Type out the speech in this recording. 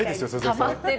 たまってる。